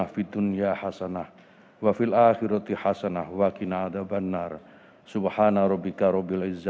wassalamualaikum warahmatullahi wabarakatuh